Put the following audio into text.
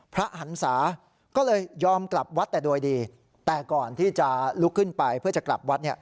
หันศาก็เลยยอมกลับวัดแต่โดยดีแต่ก่อนที่จะลุกขึ้นไปเพื่อจะกลับวัดเนี่ย